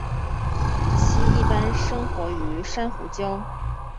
其一般生活于珊瑚礁。